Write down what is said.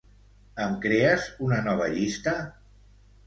Em crees una nova llista?